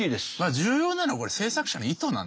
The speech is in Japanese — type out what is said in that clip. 重要なのはこれ制作者の意図なんですよね。